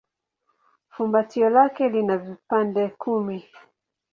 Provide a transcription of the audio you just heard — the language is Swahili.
Fumbatio lake lina vipande kumi.